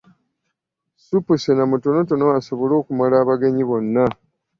Ssupu sena mutonotono asobole okumala abagenyi bonna.